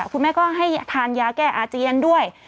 คุณแม่ก็ให้ทานยาแก้อาเจียนด้วย